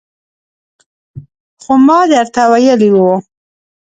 خو ما درته ویلي وو